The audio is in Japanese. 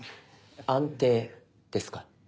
安定ですか？